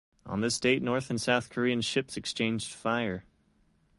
On this date North and South Korean ships exchanged fire.